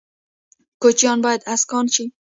کوچیان باید اسکان شي